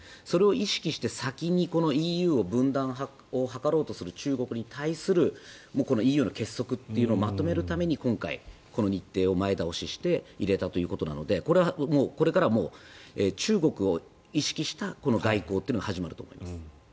それを意識して先にＥＵの分断を図ろうとする中国に対するこのＥＵの結束というのをまとめるために今回、この日程を前倒しして入れたということなのでこれからはもう中国を意識した外交というのが始まると思います。